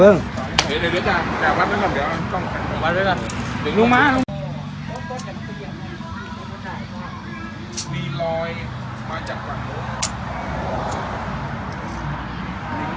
ขอโทษนะครับสักครู่นะครับสักครู่นะครับสักครู่นะครับสักครู่นะครับ